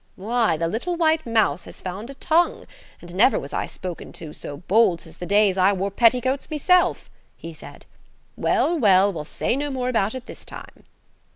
"Why, the little white mouse has found a tongue, and never was I spoken to so bold since the days I wore petticoats myself," he said. "Well, well; we'll say no more about it this time."